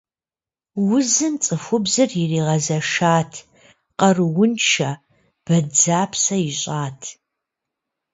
Узым цӏыхубзыр иригъэзэшат, къарууншэ, бадзэпсэ ищӏат.